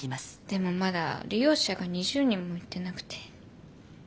でもまだ利用者が２０人もいってなくて。